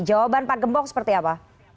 jawaban pak gembong seperti apa